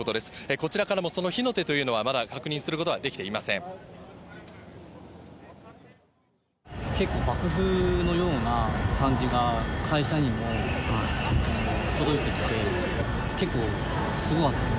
こちらからもその火の手というのはまだ確認することはできていま結構、爆風なような感じが、会社にも届いてきて、結構すごかったです。